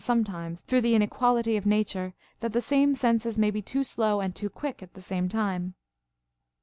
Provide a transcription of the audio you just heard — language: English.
12^ sometimes, through the mequaHty of Nature, that the same senses may be too slow and too quick at the same time.